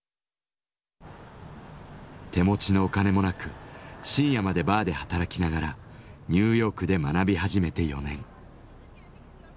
手持ちのお金もなく深夜までバーで働きながらニューヨークで学び始めて４年。